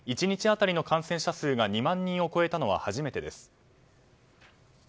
１日当たりの感染者数が２万人を超えたのは初めてです。